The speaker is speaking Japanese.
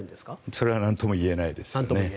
それはなんとも言えないですね。